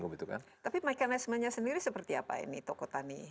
tapi mekanismenya sendiri seperti apa ini toko tani